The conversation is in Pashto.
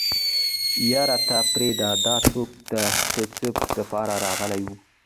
يره ته پرېده دا څوک ده د څه دپاره راغلې وه.